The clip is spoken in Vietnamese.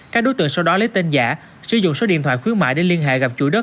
các đối tượng sau đó lấy tên giả sử dụng số điện thoại khuyến mại để liên hệ gặp chủ đất